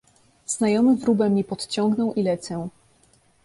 Znajomy wróbel mnie podciągnął i lecę.